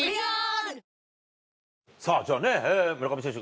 さぁじゃあね村上選手